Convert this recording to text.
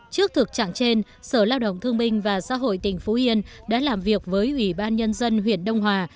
trước thực trạng trên sở lao động thương minh và xã hội tỉnh phú yên đã làm việc với ủy ban nhân dân huyện đông hòa